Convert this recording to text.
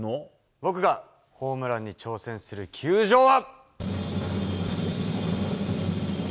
僕がホームランに挑戦する球場は。